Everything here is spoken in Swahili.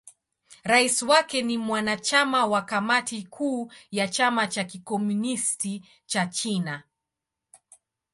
Rais wake ni mwanachama wa Kamati Kuu ya Chama cha Kikomunisti cha China.